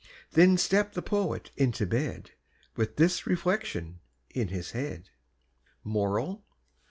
Then stepp'd the poet into bed With this reflection in his head: MORAL.